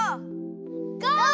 ゴー！